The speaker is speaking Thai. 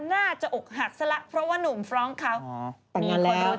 น่าจะอกหัดซะละเพราะว่าหนุ่มฟรองค์เขามีคนรู้ใจแล้ว